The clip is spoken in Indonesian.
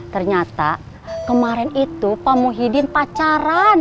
ternyata kemarin itu pak muhyiddin pacaran